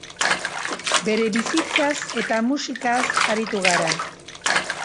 Bere bizitzaz eta musikaz aritu gara.